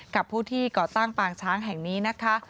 กับผู้ที่ก่อสร้างปางช้างแห่งนี้นะคะ